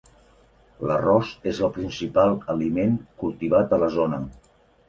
L'arròs és el principal aliment cultivat a la zona.